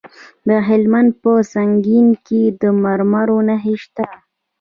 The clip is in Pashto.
د هلمند په سنګین کې د مرمرو نښې شته.